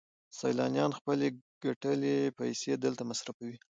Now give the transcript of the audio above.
سیلانیان خپلې ګټلې پیسې دلته مصرفوي